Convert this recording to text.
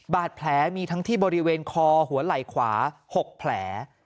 บาดแผลมีทั้งที่บริเวณคอหัวไหล่ขวา๖แผล